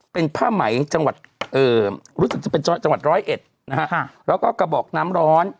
เป็นผ้าไหมจังหวัดรู้สึกจะเป็นจังหวัดร้อยเอ็ดนะฮะแล้วก็กระบอกน้ำร้อน